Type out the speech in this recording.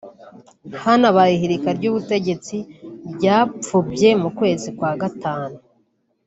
Hanabaye ihirika ry’ubutegetsi ryapfubye mu kwezi kwa gatanu